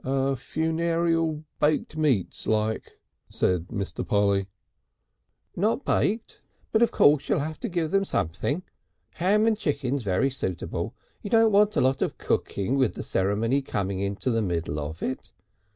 "Funerial baked meats like," said Mr. Polly. "Not baked, but of course you'll have to give them something. Ham and chicken's very suitable. You don't want a lot of cooking with the ceremony coming into the middle of it.